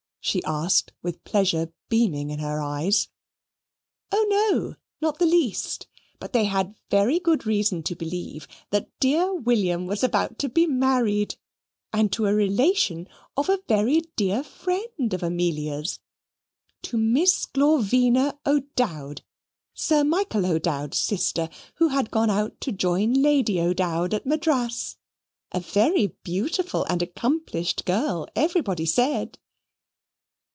she asked with pleasure beaming in her eyes. "Oh, no not the least but they had very good reason to believe that dear William was about to be married and to a relation of a very dear friend of Amelia's to Miss Glorvina O'Dowd, Sir Michael O'Dowd's sister, who had gone out to join Lady O'Dowd at Madras a very beautiful and accomplished girl, everybody said."